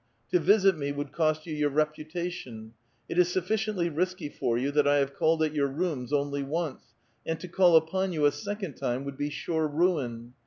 To visit me would cost you your reputation ; it is sufficiently risky for you that I have called at your rooms only once, and to call uj)on you a sec ond time would be sure ruin.